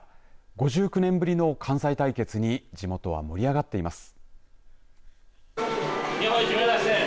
５９年ぶりの関西対決に地元は盛り上がっています。